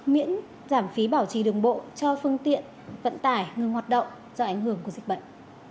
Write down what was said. miễn giảm phí bảo trì đường bộ cho phương tiện vận tải ngừng hoạt động do ảnh hưởng của dịch bệnh